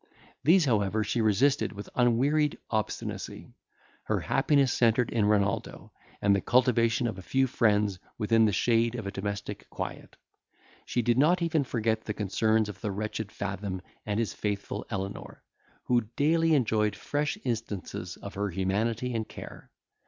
These, however, she resisted with unwearied obstinacy. Her happiness centred in Renaldo, and the cultivation of a few friends within the shade of domestic quiet. She did not even forget the concerns of the wretched Fathom and his faithful Elenor, who daily enjoyed fresh instances of her humanity and care.